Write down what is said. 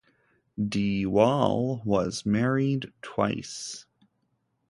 De Waal was married twice.